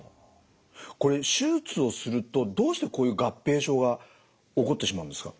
これ手術をするとどうしてこういう合併症が起こってしまうんですか？